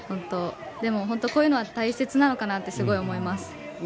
でも、こういうのは大切なのかなってすごく思います。